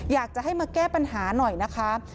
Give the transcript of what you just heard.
อยากจะให้มาแก้ปัญหาหน่อยนะคะ